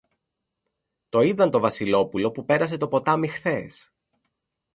Το είδαν το Βασιλόπουλο που πέρασε το ποτάμι χθες